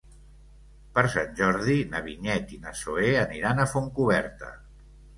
Per Sant Jordi na Vinyet i na Zoè aniran a Fontcoberta.